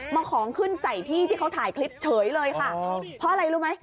ของขึ้นใส่พี่ที่เขาถ่ายคลิปเฉยเลยค่ะเพราะอะไรรู้ไหม